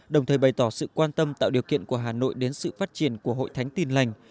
đồng thời bày tỏ sự quan tâm tạo điều kiện của hà nội đến sự phát triển của hội thánh tin lành